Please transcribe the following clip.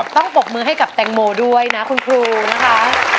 ปรบมือให้กับแตงโมด้วยนะคุณครูนะคะ